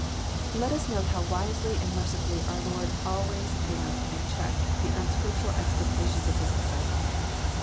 Let us note how wisely and merciftilly our Lord always damped and checked the unscriptural expectations of His disciples.